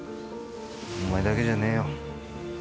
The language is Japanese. お前だけじゃねえよ